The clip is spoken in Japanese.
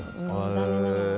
残念ながら。